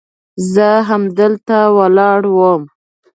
زه همدلته ولاړ وم.